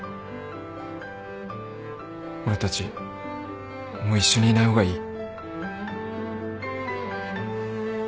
俺たちもう一緒にいない方がいい。